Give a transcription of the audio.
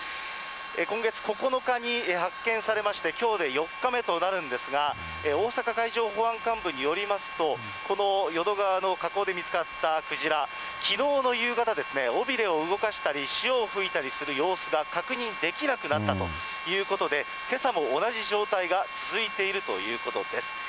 今月９日に発見されまして、きょうで４日目となるんですが、大阪海上保安監部によりますと、この淀川の河口で見つかったクジラ、きのうの夕方、尾びれを動かしたり、潮を吹いたりする様子が確認できなくなったということで、けさも同じ状態が続いているということです。